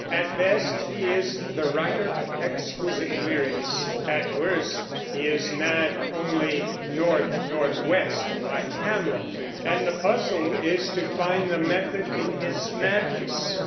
At best, he is the writer of exquisite lyrics; at worst, he is mad only "north northwest," like Hamlet; and the puzzle is to find the method in his madness.